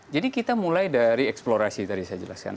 jadi kita mulai dari eksplorasi tadi saya jelaskan